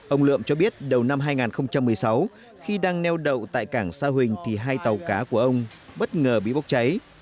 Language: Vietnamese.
ông lượm cho biết đầu năm hai nghìn một mươi sáu khi đang neo đậu tại cảng sa huỳnh thì hai tàu cá của ông bất ngờ bị bốc cháy